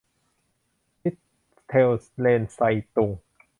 มิตเทลเลนไซตุง